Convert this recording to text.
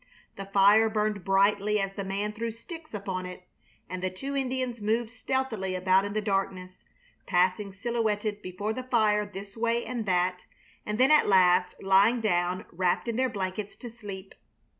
The fire burned brightly as the man threw sticks upon it, and the two Indians moved stealthily about in the darkness, passing silhouetted before the fire this way and that, and then at last lying down wrapped in their blankets to sleep.